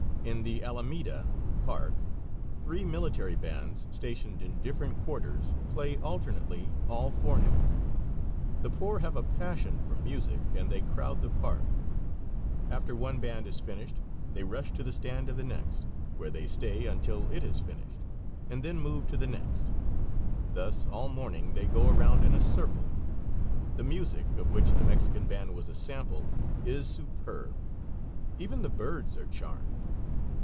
In the alameda (park) three military bands, stationed in different quarters, play alternately all forenoon. The poor have a passion for music, and they crowd the park. After one band has finished, they rush to the stand of the next, where they stay until it has finished, and then move to the next. Thus all morning they go around in a circle. The music, of which the Mexican band was a sample, is superb; even the birds are charmed.